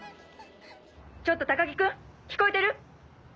ちょっと高木君聞こえてる？